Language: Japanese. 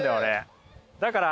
だから。